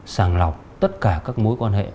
sàng lọc tất cả các mối quan hệ